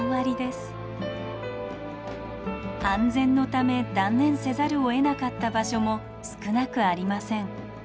安全のため断念せざるをえなかった場所も少なくありません。